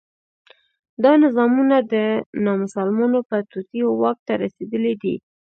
دا نظامونه د نامسلمانو په توطیو واک ته رسېدلي دي.